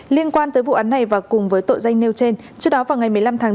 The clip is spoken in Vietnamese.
liên quan tới vụ án này và cùng với tội danh nêu trên trước đó vào ngày một mươi năm tháng chín